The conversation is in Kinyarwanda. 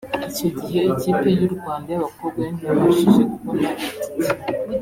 Icyo gihe ikipe y’u Rwanda y’abakobwa yo ntiyabashije kubona iyo tike